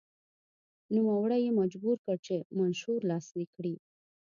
نوموړی یې مجبور کړ چې منشور لاسلیک کړي.